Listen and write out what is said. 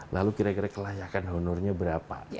lalu kira kira kelayakan honornya berapa